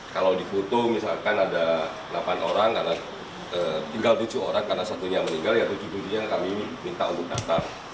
kalau di foto misalkan ada delapan orang karena tinggal tujuh orang karena satunya meninggal ya tujuh tujuh yang kami minta untuk datang